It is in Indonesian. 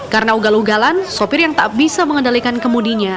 karena ugal ugalan sopir yang tak bisa mengendalikan kemudinya